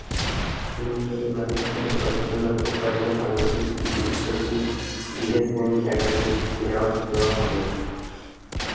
অনুষ্ঠানে মালয়েশিয়ায় অধ্যয়নরত কয়েকজন বাংলাদেশি কৃতি শিক্ষার্থীকে বিএসএন একাডেমিক অ্যাওয়ার্ড দেওয়া হবে।